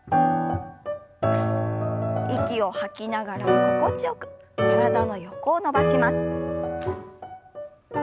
息を吐きながら心地よく体の横を伸ばします。